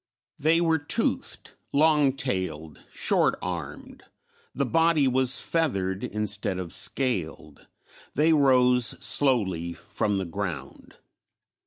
They were toothed, long tailed, short armed, the body was feathered instead of scaled; they rose slowly from the ground.